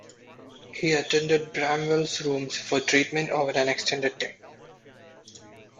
He attended Bramwell's rooms for treatment over an extended time.